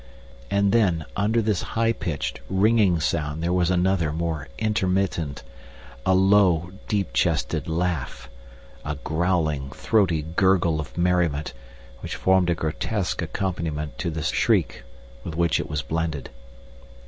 And then, under this high pitched, ringing sound there was another, more intermittent, a low, deep chested laugh, a growling, throaty gurgle of merriment which formed a grotesque accompaniment to the shriek with which it was blended.